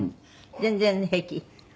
全然平気？